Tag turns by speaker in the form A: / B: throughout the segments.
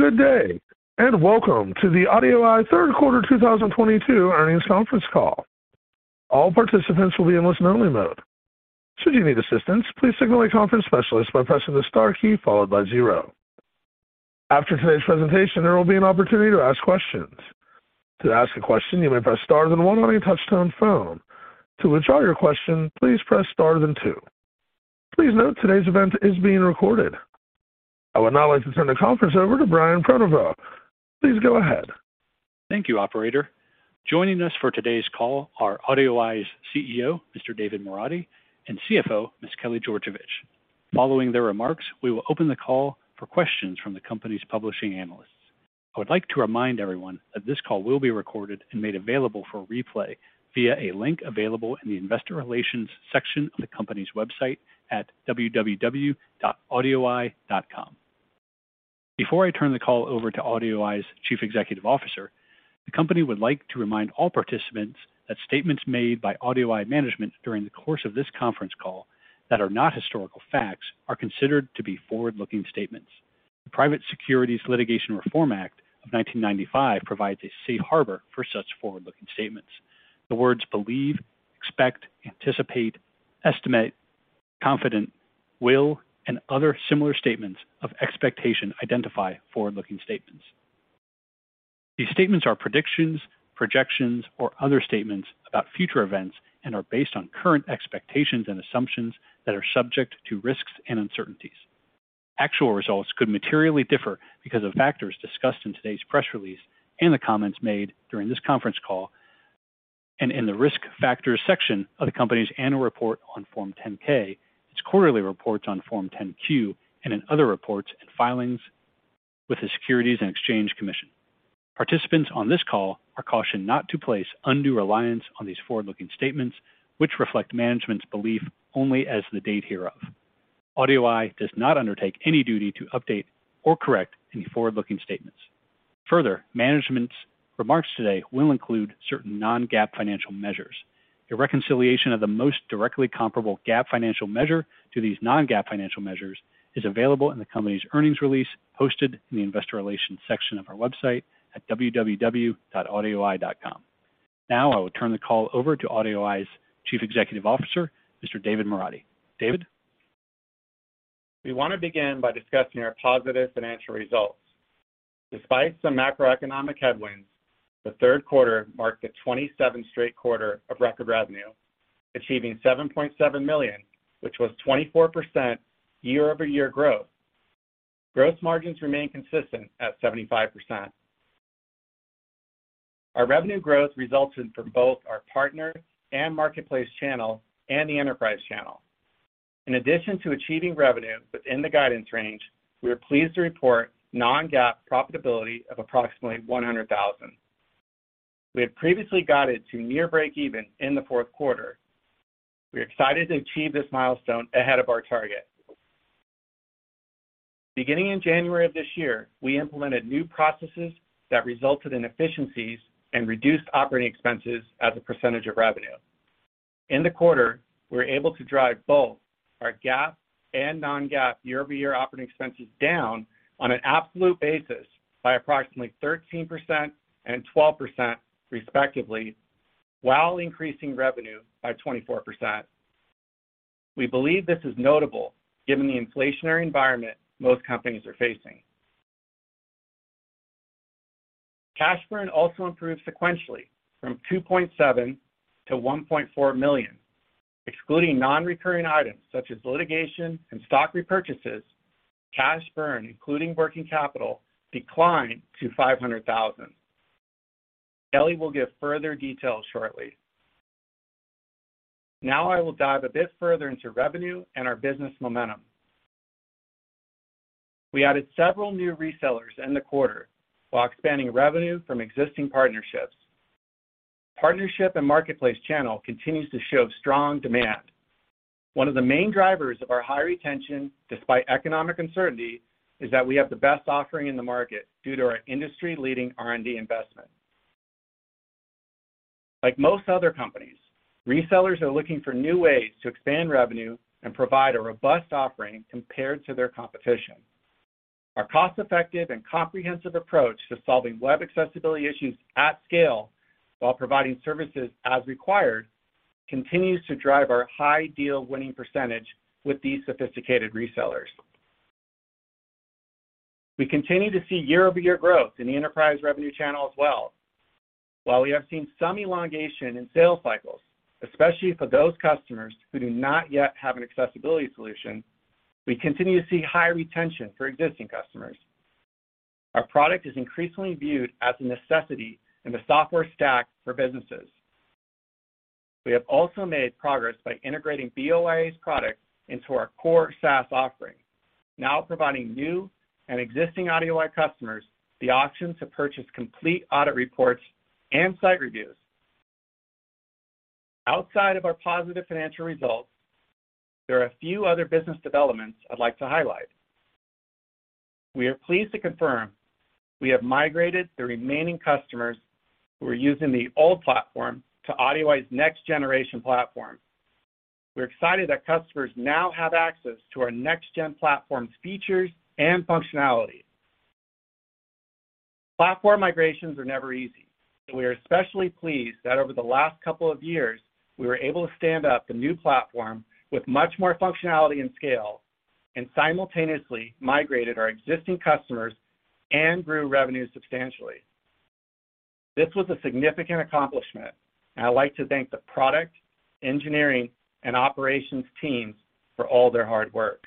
A: Good day, and welcome to the AudioEye Third Quarter 2022 Earnings Conference Call. All participants will be in listen-only mode. Should you need assistance, please signal a conference specialist by pressing the star key followed by zero. After today's presentation, there will be an opportunity to ask questions. To ask a question, you may press star then one on your touchtone phone. To withdraw your question, please press star then two. Please note today's event is being recorded. I would now like to turn the conference over to Brian Prenoveau. Please go ahead.
B: Thank you, operator. Joining us for today's call are AudioEye's CEO, Mr. David Moradi, and CFO, Ms. Kelly Georgevich. Following their remarks, we will open the call for questions from the company's participating analysts. I would like to remind everyone that this call will be recorded and made available for replay via a link available in the investor relations section of the company's website at www.audioeye.com. Before I turn the call over to AudioEye's Chief Executive Officer, the company would like to remind all participants that statements made by AudioEye management during the course of this conference call that are not historical facts are considered to be forward-looking statements. The Private Securities Litigation Reform Act of 1995 provides a safe harbor for such forward-looking statements. The words believe, expect, anticipate, estimate, confident, will, and other similar statements of expectation identify forward-looking statements. These statements are predictions, projections, or other statements about future events and are based on current expectations and assumptions that are subject to risks and uncertainties. Actual results could materially differ because of factors discussed in today's press release and the comments made during this conference call and in the Risk Factors section of the company's annual report on Form 10-K, its quarterly reports on Form 10-Q, and in other reports and filings with the Securities and Exchange Commission. Participants on this call are cautioned not to place undue reliance on these forward-looking statements, which reflect management's belief only as of the date hereof. AudioEye does not undertake any duty to update or correct any forward-looking statements. Further, management's remarks today will include certain non-GAAP financial measures. A reconciliation of the most directly comparable GAAP financial measure to these non-GAAP financial measures is available in the company's earnings release hosted in the investor relations section of our website at www.audioeye.com. Now I will turn the call over to AudioEye's Chief Executive Officer, Mr. David Moradi. David?
C: We want to begin by discussing our positive financial results. Despite some macroeconomic headwinds, the third quarter marked the 27th straight quarter of record revenue, achieving $7.7 million, which was 24% year-over-year growth. Gross margins remain consistent at 75%. Our revenue growth resulted from both our partner and marketplace channel and the enterprise channel. In addition to achieving revenue within the guidance range, we are pleased to report non-GAAP profitability of approximately $100,000. We have previously guided to near breakeven in the fourth quarter. We are excited to achieve this milestone ahead of our target. Beginning in January of this year, we implemented new processes that resulted in efficiencies and reduced operating expenses as a percentage of revenue. In the quarter, we were able to drive both our GAAP and non-GAAP year-over-year operating expenses down on an absolute basis by approximately 13% and 12%, respectively, while increasing revenue by 24%. We believe this is notable given the inflationary environment most companies are facing. Cash burn also improved sequentially from $2.7 million to $1.4 million. Excluding non-recurring items such as litigation and stock repurchases, cash burn, including working capital, declined to $500,000. Kelly will give further details shortly. Now I will dive a bit further into revenue and our business momentum. We added several new resellers in the quarter while expanding revenue from existing partnerships. Partnership and marketplace channel continues to show strong demand. One of the main drivers of our high retention, despite economic uncertainty, is that we have the best offering in the market due to our industry-leading R&D investment. Like most other companies, resellers are looking for new ways to expand revenue and provide a robust offering compared to their competition. Our cost-effective and comprehensive approach to solving web accessibility issues at scale while providing services as required continues to drive our high deal-winning percentage with these sophisticated resellers. We continue to see year-over-year growth in the enterprise revenue channel as well. While we have seen some elongation in sales cycles, especially for those customers who do not yet have an accessibility solution, we continue to see high retention for existing customers. Our product is increasingly viewed as a necessity in the software stack for businesses. We have also made progress by integrating BoIA's product into our core SaaS offering, now providing new and existing AudioEye customers the option to purchase complete audit reports and site reviews. Outside of our positive financial results, there are a few other business developments I'd like to highlight. We are pleased to confirm we have migrated the remaining customers who are using the old platform to AudioEye's next generation platform. We're excited that customers now have access to our next gen platform's features and functionality. Platform migrations are never easy, so we are especially pleased that over the last couple of years, we were able to stand up the new platform with much more functionality and scale, and simultaneously migrated our existing customers and grew revenue substantially. This was a significant accomplishment, and I'd like to thank the product, engineering, and operations teams for all their hard work.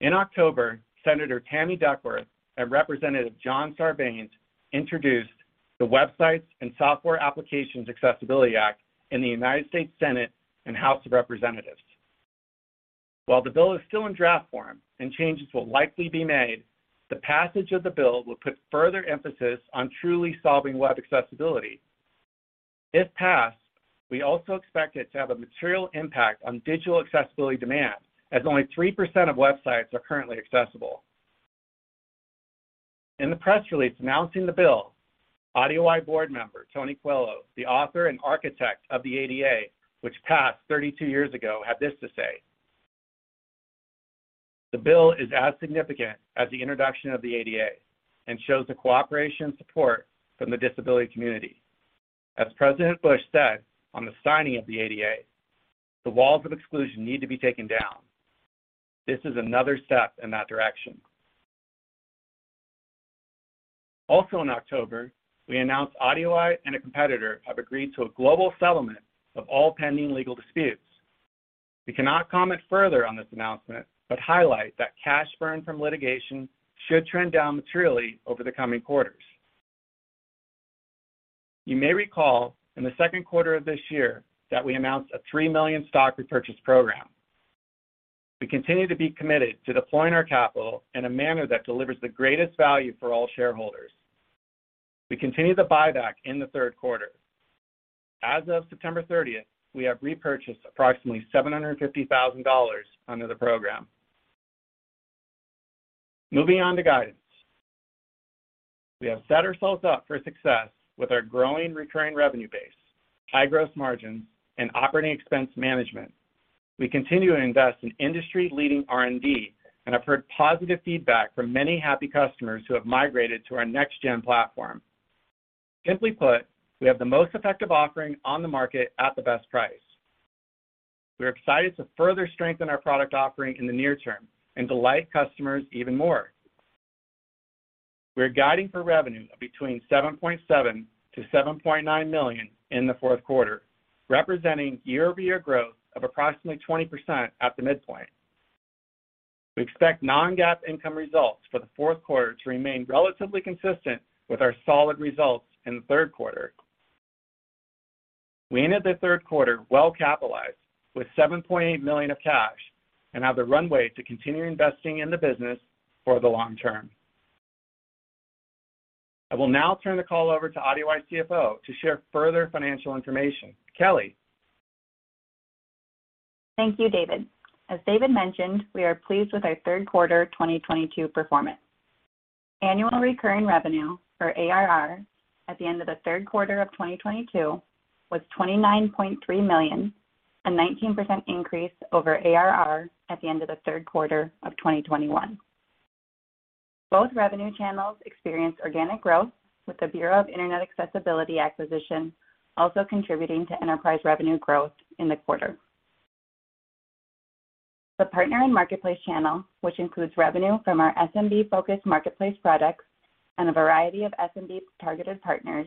C: In October, Senator Tammy Duckworth and Representative John Sarbanes introduced the Websites and Software Applications Accessibility Act in the United States Senate and House of Representatives. While the bill is still in draft form and changes will likely be made, the passage of the bill will put further emphasis on truly solving web accessibility. If passed, we also expect it to have a material impact on digital accessibility demand, as only 3% of websites are currently accessible. In the press release announcing the bill, AudioEye board member Tony Coelho, the author and architect of the ADA, which passed 32 years ago, had this to say, "The bill is as significant as the introduction of the ADA and shows the cooperation and support from the disability community. As President Bush said on the signing of the ADA, "The walls of exclusion need to be taken down." This is another step in that direction. Also in October, we announced AudioEye and a competitor have agreed to a global settlement of all pending legal disputes. We cannot comment further on this announcement, but highlight that cash burn from litigation should trend down materially over the coming quarters. You may recall in the second quarter of this year that we announced a $3 million stock repurchase program. We continue to be committed to deploying our capital in a manner that delivers the greatest value for all shareholders. We continued the buyback in the third quarter. As of September 30th, we have repurchased approximately $750,000 under the program. Moving on to guidance. We have set ourselves up for success with our growing recurring revenue base, high gross margins, and operating expense management. We continue to invest in industry-leading R&D, and have heard positive feedback from many happy customers who have migrated to our next gen platform. Simply put, we have the most effective offering on the market at the best price. We're excited to further strengthen our product offering in the near term and delight customers even more. We're guiding for revenue of between $7.7 million-$7.9 million in the fourth quarter, representing year-over-year growth of approximately 20% at the midpoint. We expect non-GAAP income results for the fourth quarter to remain relatively consistent with our solid results in the third quarter. We ended the third quarter well capitalized with $7.8 million of cash and have the runway to continue investing in the business for the long term. I will now turn the call over to AudioEye's CFO to share further financial information. Kelly?
D: Thank you, David. As David mentioned, we are pleased with our third quarter 2022 performance. Annual recurring revenue, or ARR, at the end of the third quarter of 2022 was $29.3 million, a 19% increase over ARR at the end of the third quarter of 2021. Both revenue channels experienced organic growth with the Bureau of Internet Accessibility acquisition also contributing to enterprise revenue growth in the quarter. The partner and marketplace channel, which includes revenue from our SMB-focused marketplace products and a variety of SMB-targeted partners,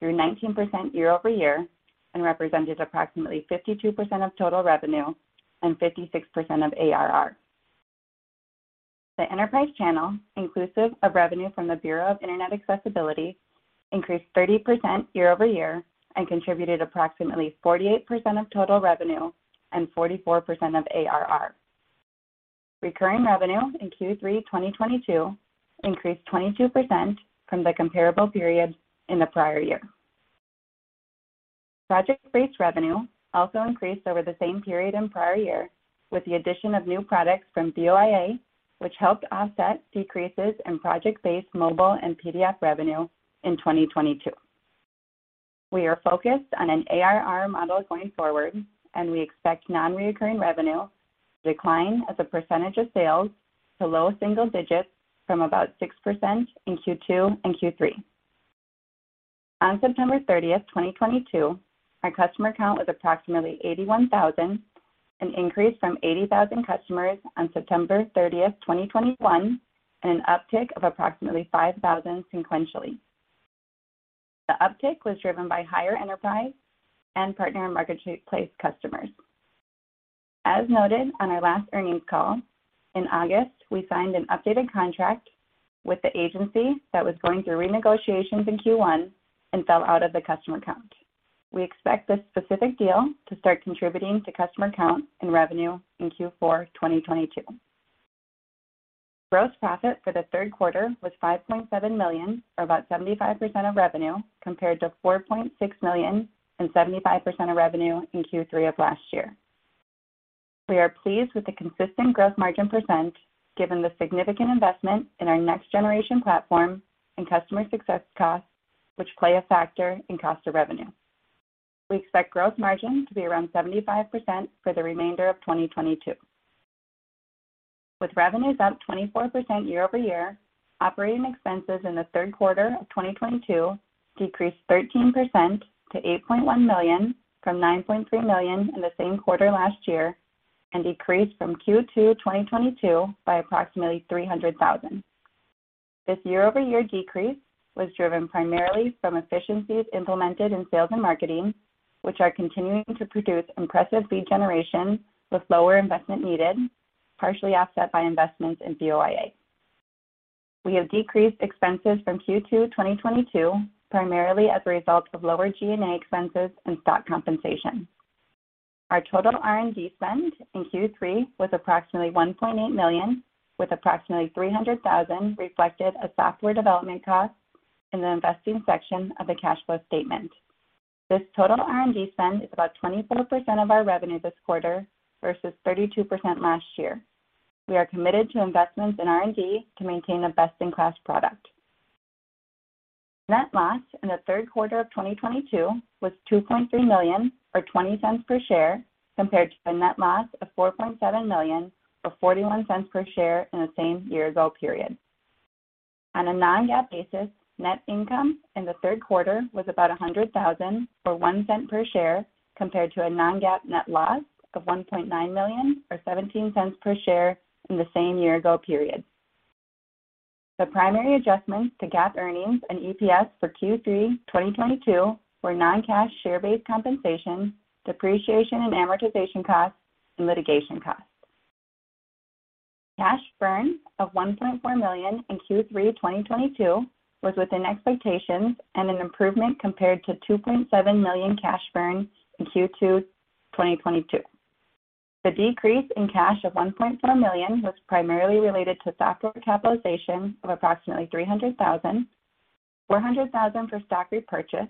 D: grew 19% year-over-year and represented approximately 52% of total revenue and 56% of ARR. The enterprise channel, inclusive of revenue from the Bureau of Internet Accessibility, increased 30% year-over-year and contributed approximately 48% of total revenue and 44% of ARR. Recurring revenue in Q3 2022 increased 22% from the comparable period in the prior year. Project-based revenue also increased over the same period in prior year with the addition of new products from BoIA, which helped offset decreases in project-based mobile and PDF revenue in 2022. We are focused on an ARR model going forward, and we expect non-recurring revenue to decline as a percentage of sales to low single digits from about 6% in Q2 and Q3. On September thirtieth, 2022, our customer count was approximately 81,000, an increase from 80,000 customers on September thirtieth, 2021, and an uptick of approximately 5,000 sequentially. The uptick was driven by higher enterprise and partner and marketplace customers. As noted on our last earnings call, in August, we signed an updated contract with the agency that was going through renegotiations in Q1 and fell out of the customer count. We expect this specific deal to start contributing to customer count and revenue in Q4 2022. Gross profit for the third quarter was $5.7 million, or about 75% of revenue, compared to $4.6 million and 75% of revenue in Q3 of last year. We are pleased with the consistent gross margin percent given the significant investment in our next generation platform and customer success costs, which play a factor in cost of revenue. We expect gross margin to be around 75% for the remainder of 2022. With revenues up 24% year-over-year, operating expenses in the third quarter of 2022 decreased 13% to $8.1 million from $9.3 million in the same quarter last year, and decreased from Q2 2022 by approximately $300,000. This year-over-year decrease was driven primarily from efficiencies implemented in sales and marketing, which are continuing to produce impressive lead generation with lower investment needed, partially offset by investments in BoIA. We have decreased expenses from Q2 2022, primarily as a result of lower G&A expenses and stock compensation. Our total R&D spend in Q3 was approximately $1.8 million, with approximately $300,000 reflected as software development costs in the investing section of the cash flow statement. This total R&D spend is about 24% of our revenue this quarter versus 32% last year. We are committed to investments in R&D to maintain a best-in-class product. Net loss in the third quarter of 2022 was $2.3 million or $0.20 per share, compared to a net loss of $4.7 million or $0.41 per share in the same year ago period. On a non-GAAP basis, net income in the third quarter was about $100,000 or $0.01 per share, compared to a non-GAAP net loss of $1.9 million or $0.17 per share in the same year ago period. The primary adjustments to GAAP earnings and EPS for Q3 2022 were non-cash share-based compensation, depreciation and amortization costs, and litigation costs. Cash burn of $1.4 million in Q3 2022 was within expectations and an improvement compared to $2.7 million cash burn in Q2 2022. The decrease in cash of $1.4 million was primarily related to software capitalization of approximately $300,000, $400,000 for stock repurchase,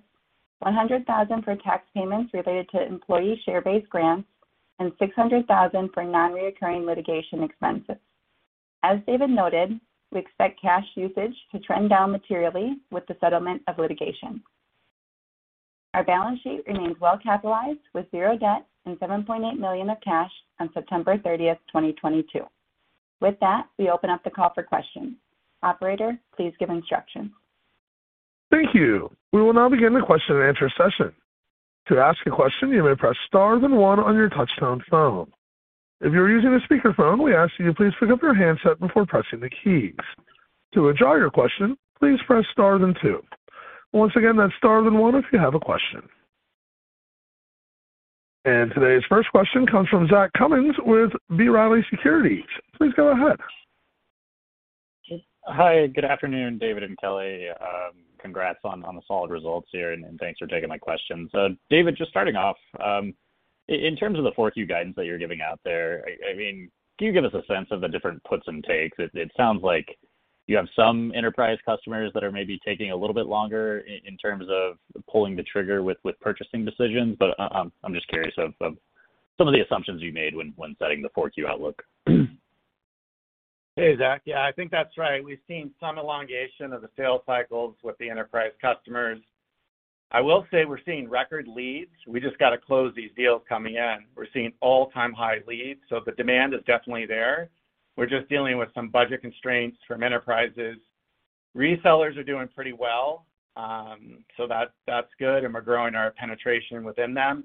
D: $100,000 for tax payments related to employee share-based grants, and $600,000 for non-recurring litigation expenses. As David noted, we expect cash usage to trend down materially with the settlement of litigation. Our balance sheet remains well capitalized with zero debt and $7.8 million of cash on September 30th, 2022. With that, we open up the call for questions. Operator, please give instructions.
A: Thank you. We will now begin the question and answer session. To ask a question, you may press star then one on your touchtone phone. If you are using a speaker phone, we ask that you please pick up your handset before pressing the keys. To withdraw your question, please press star then two. Once again, that's star then one if you have a question. Today's first question comes from Zach Cummins with B. Riley Securities. Please go ahead.
E: Hi, good afternoon, David and Kelly. Congrats on the solid results here and thanks for taking my questions. David, just starting off, in terms of the 4Q guidance that you're giving out there, I mean, can you give us a sense of the different puts and takes? It sounds like you have some enterprise customers that are maybe taking a little bit longer in terms of pulling the trigger with purchasing decisions, but I'm just curious of some of the assumptions you made when setting the 4Q outlook.
C: Hey, Zach. Yeah, I think that's right. We've seen some elongation of the sales cycles with the enterprise customers. I will say we're seeing record leads. We just got to close these deals coming in. We're seeing all-time high leads, so the demand is definitely there. We're just dealing with some budget constraints from enterprises. Resellers are doing pretty well, so that's good, and we're growing our penetration within them.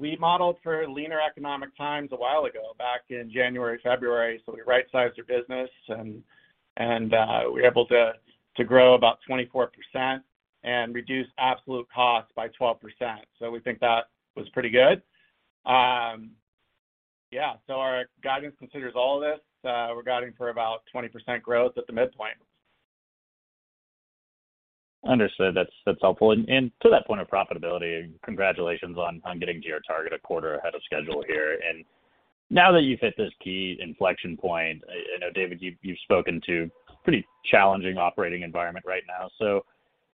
C: We modeled for leaner economic times a while ago, back in January, February, so we right-sized our business and we're able to grow about 24% and reduce absolute costs by 12%. So we think that was pretty good. Yeah. So our guidance considers all of this. We're guiding for about 20% growth at the midpoint.
F: Understood. That's helpful. To that point of profitability, congratulations on getting to your target a quarter ahead of schedule here. Now that you've hit this key inflection point, I know, David, you've spoken to pretty challenging operating environment right now.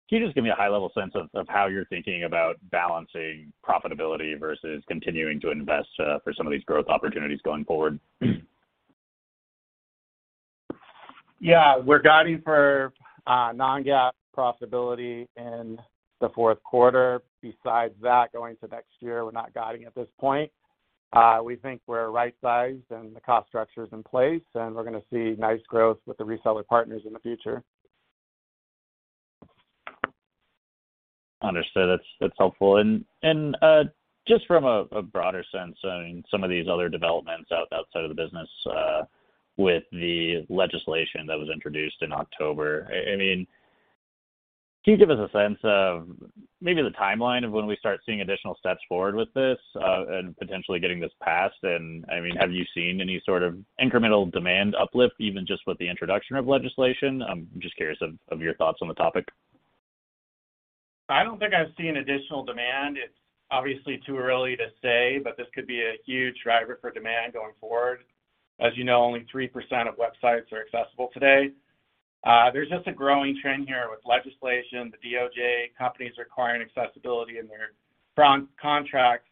F: Can you just give me a high-level sense of how you're thinking about balancing profitability versus continuing to invest for some of these growth opportunities going forward?
C: Yeah. We're guiding for non-GAAP profitability in the fourth quarter. Besides that, going to next year, we're not guiding at this point. We think we're right-sized and the cost structure is in place, and we're gonna see nice growth with the reseller partners in the future.
F: Understood. That's helpful. Just from a broader sense and some of these other developments outside of the business, with the legislation that was introduced in October, I mean, can you give us a sense of maybe the timeline of when we start seeing additional steps forward with this, and potentially getting this passed? I mean, have you seen any sort of incremental demand uplift even just with the introduction of legislation? I'm just curious of your thoughts on the topic.
C: I don't think I've seen additional demand. It's obviously too early to say, but this could be a huge driver for demand going forward. As you know, only 3% of websites are accessible today. There's just a growing trend here with legislation, the DOJ, companies requiring accessibility in their front contracts.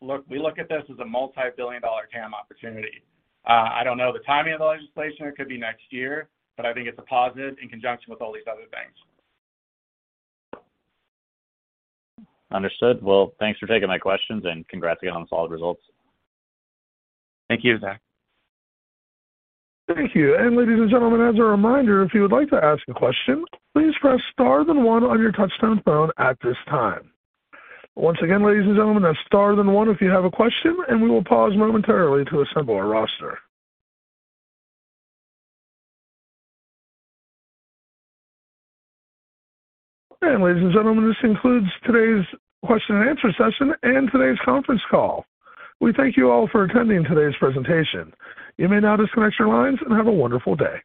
C: Look, we look at this as a multi-billion dollar TAM opportunity. I don't know the timing of the legislation. It could be next year, but I think it's a positive in conjunction with all these other things.
F: Understood. Well, thanks for taking my questions, and congrats again on the solid results.
C: Thank you, Zach.
A: Thank you. Ladies and gentlemen, as a reminder, if you would like to ask a question, please press star then one on your touchtone phone at this time. Once again, ladies and gentlemen, that's star then one if you have a question, and we will pause momentarily to assemble our roster. Ladies and gentlemen, this concludes today's question and answer session and today's conference call. We thank you all for attending today's presentation. You may now disconnect your lines and have a wonderful day.